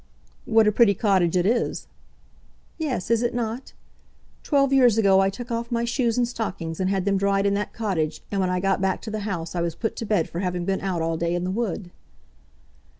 "What a pretty cottage it is!" "Yes; is it not? Twelve years ago I took off my shoes and stockings and had them dried in that cottage, and when I got back to the house I was put to bed for having been out all day in the wood."